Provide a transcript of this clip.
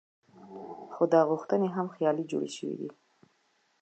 خو دا غوښتنې هم خیالي جوړې شوې دي.